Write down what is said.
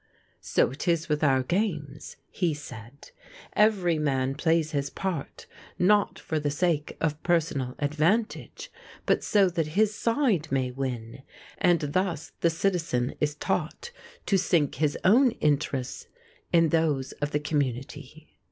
'So it is with our games,' he said, 'every man plays his part not for the sake of personal advantage, but so that his side may win; and thus the citizen is taught to sink his own interests in those of the community.